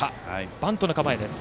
バントの構えです。